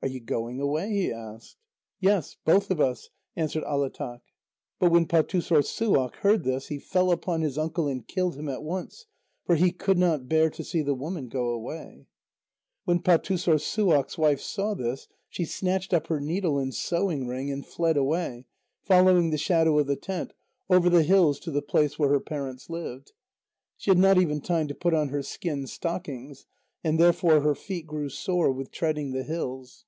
"Are you going away?" he asked. "Yes, both of us," answered Alátaq. But when Pâtussorssuaq heard thus, he fell upon his uncle and killed him at once, for he could not bear to see the woman go away. When Pâtussorssuaq's wife saw this, she snatched up her needle and sewing ring, and fled away, following the shadow of the tent, over the hills to the place where her parents lived. She had not even time to put on her skin stockings, and therefore her feet grew sore with treading the hills.